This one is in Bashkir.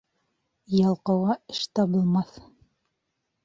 Ялҡауға эш табылмаҫ.